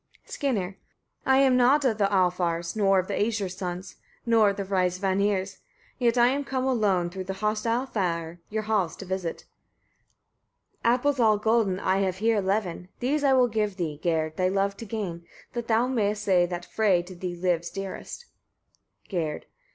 Skirnir. 18. I am not of the Alfar's, nor of the Æsir's sons, nor of the wise Vanir's; yet I am come alone, through the hostile fire, your halls to visit. 19. Apples all golden I have here eleven: these I will give thee, Gerd, thy love to gain, that thou mayest say that Frev to thee lives dearest. Gerd.